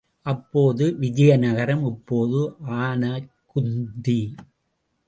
அப்போது விஜயநகரம் இப்போது ஆனைக்குந்தி.